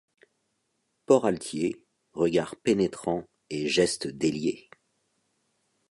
Port altier, regard pénétrant et gestes déliés.